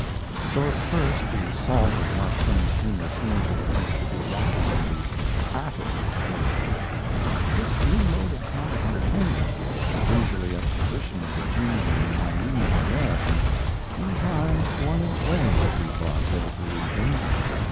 Though at first the salt of Mark Twain's humour seemed to the French to be lacking in the Attic flavour, this new mode of comic entertainment, the leisurely exposition of the genially naive American, in time won its way with the blase Parisians.